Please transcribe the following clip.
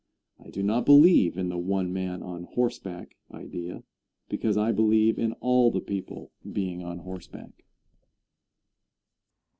I do not believe in the one man on horseback idea, because I believe in all the people being on horseback.